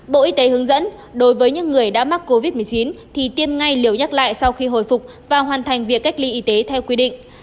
bộ y tế hướng dẫn đối với những người đã mắc covid một mươi chín thì tiêm ngay liều nhắc lại sau khi hồi phục và hoàn thành việc cách ly y tế theo quy định